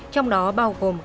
trong đó bao gồm